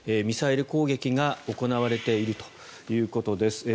ミサイル攻撃が行われているということです。